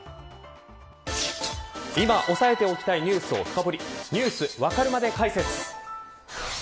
今押さえておきたいニュースを深掘りＮｅｗｓわかるまで解説。